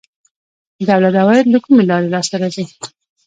د دولت عواید له کومې لارې لاسته راځي؟